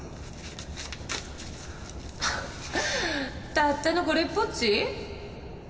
たったのこれっぽっち？